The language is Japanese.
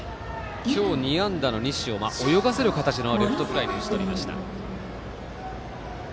今日２安打の西を泳がせる形のレフトフライに打ち取りました。